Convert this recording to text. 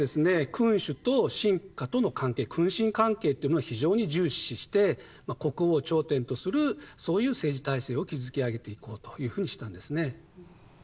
君主と臣下との関係君臣関係っていうのは非常に重視して国王を頂点とするそういう政治体制を築き上げていこうというふうにしたんですね。